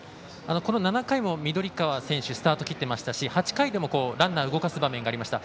７回も緑川選手スタートを切ってましたし８回でもランナーを動かす場面がありました。